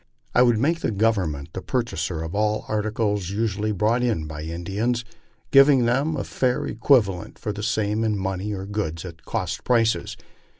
I would make Govern ment the purchaser of all articles usually brought in by Indians, giving them a fair equivalent for the same in money, or goods at cost prices.